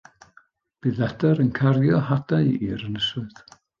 Bydd adar yn cario hadau i'r ynysoedd.